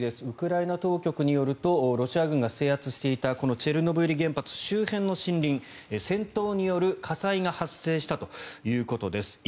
ウクライナ当局によるとロシア軍が制圧していたこのチェルノブイリ原発周辺の森林戦闘による火災が発生したということです。